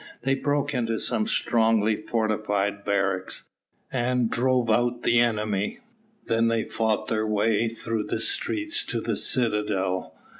They broke into some strongly fortified barracks, and drove out the enemy, then they fought their way through the streets to the citadel.